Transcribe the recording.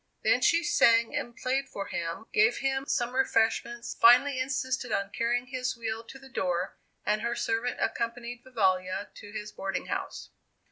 Then she sang and played for him, gave him some refreshments, finally insisted on carrying his wheel to the door, and her servant accompanied Vivalla to his boarding house.